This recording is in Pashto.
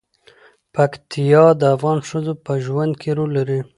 پکتیا د افغان ښځو په ژوند کې رول لري.